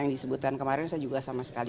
yang disebutkan kemarin saya juga sama sekali